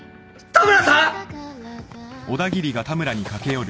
田村さん。